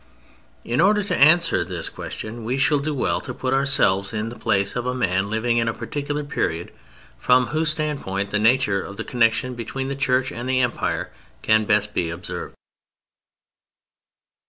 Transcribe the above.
In order to answer this question we shall do well to put ourselves in the place of a man living in a particular period, from whose standpoint the nature of the connection between the Church and the Empire can best be observed.